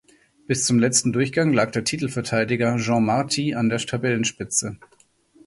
Bis zum letzten Durchgang lag der Titelverteidiger Jean Marty an der Tabellenspitze.